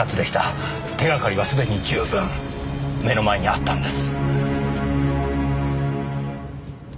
手掛かりは既に十分目の前にあったんです。